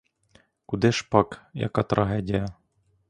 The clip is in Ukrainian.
Куди ж пак, яка трагедія!